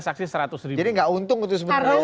saksi seratus ribu jadi nggak untung itu sebenarnya harusnya